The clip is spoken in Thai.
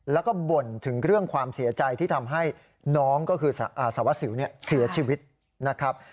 แล้วก็บ่นถึงเรื่องความเสียใจที่ทำให้น้องก็คือสารวัสสิวเสียชีวิตนะครับ